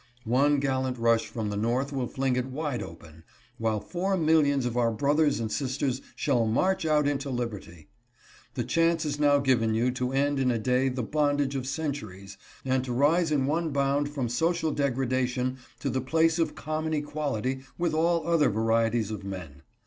One gallant rush from the North will fling it wide open, while four millions of our brothers and sisters shall march out into liberty. The chance is now given you to end in a day the bondage of centuries, and to rise in one bound from social degradation to the place of common equality with all other varieties of men.